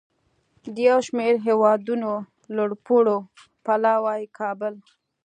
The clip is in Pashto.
د یو شمیر هیوادونو لوړپوړو پلاوو کابل